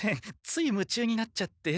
ついむちゅうになっちゃって。